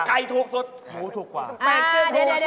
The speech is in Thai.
ถูกสุดหมูถูกกว่า